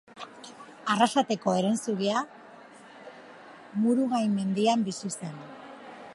Arrasateko herensugea Murugain mendian bizi zen.